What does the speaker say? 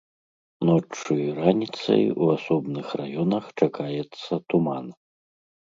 Ноччу і раніцай у асобных раёнах чакаецца туман.